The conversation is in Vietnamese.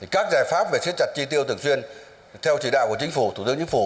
các giải pháp về siết chặt chi tiêu thường xuyên theo chỉ đạo của chính phủ thủ tướng chính phủ